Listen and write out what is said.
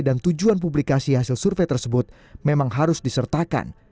dan tujuan publikasi hasil survei tersebut memang harus disertakan